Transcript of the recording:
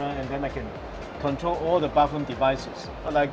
dan aku bisa mengontrol semua perangkat di dalam bilik